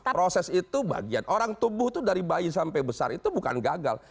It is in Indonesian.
proses itu bagian orang tubuh itu dari bayi sampai besar itu bukan gagal